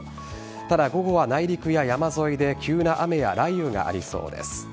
ただ、午後は内陸や山沿いで急な雨や雷雨がありそうです。